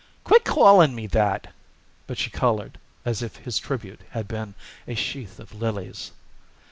"Quit calling me that." But she colored as if his tribute had been a sheath of lilies.